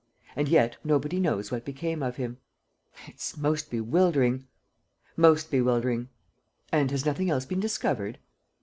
And yet nobody knows what became of him." "It's most bewildering." "Most bewildering." "And has nothing else been discovered?"